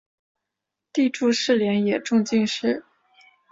弟朱士廉也中进士。